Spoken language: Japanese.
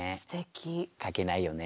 書けないよね。